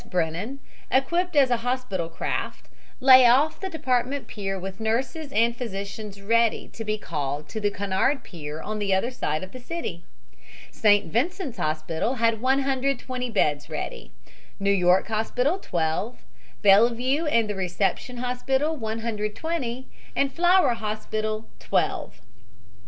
Brennan, equipped as a hospital craft, lay off the department pier with nurses and physicians ready to be called to the Cunard pier on the other side of the city. St. Vincent's Hospital had 120 beds ready, New York Hospital twelve, Bellevue and the reception hospital 120 and Flower Hospital twelve.